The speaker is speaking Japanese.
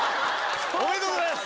おめでとうございます。